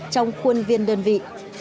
trong khuôn viên đơn vị